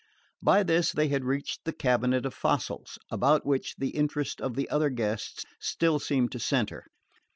By this they had reached the cabinet of fossils, about which the interest of the other guests still seemed to centre.